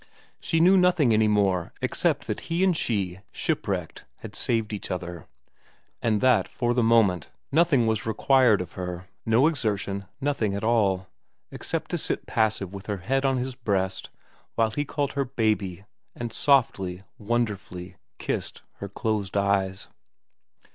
She knew nothing any more except that he and she, shipwrecked, had saved each other, and that for the moment nothing was required of her, no exertion, nothing at all, except to sit passive with her head on his breast, while he called her his baby and softly, wonderfully, kissed her closed eyes.